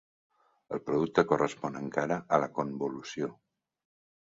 El producte correspon encara a la convolució.